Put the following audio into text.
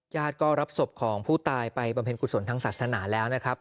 ญาติก็รับศพของผู้ตายไปบำเพ็ญกุศลทางศาสนาแล้วนะครับ